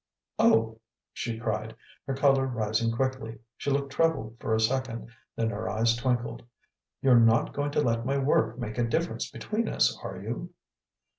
'" "OH!" she cried, her colour rising quickly; she looked troubled for a second, then her eyes twinkled. "You're not going to let my work make a difference between us, are you?"